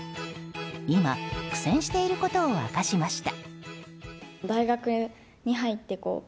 今、苦戦していることを明かしました。